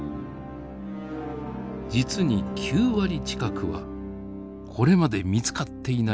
実に９割近くはこれまで見つかっていない